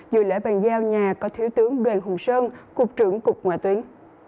dự lễ bàn giao nhà có thiếu tướng đoàn hùng sơn cục trưởng cục ngoại tuyến